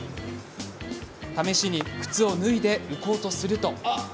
試しに靴を脱いで浮こうとすると。